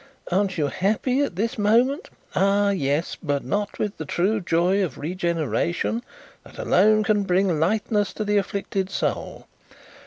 Aren't you happy at this moment? Ah yes; but not with the true joy of regeneration that alone can bring lightness to the afflicted soul.